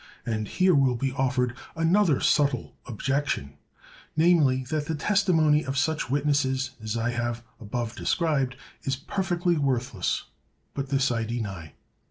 And here will be offered another subtle objection, namely, that the testimony of such witnesses as I have above described is perfectly worthless; but this I deny.